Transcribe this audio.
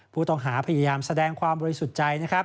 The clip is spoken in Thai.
ผู้ต้องหาพยายามแสดงความบริสุทธิ์ใจนะครับ